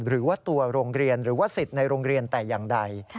หรือว่าตัวโรงเรียนหรือว่าสิทธิ์ในโรงเรียนแต่อย่างใด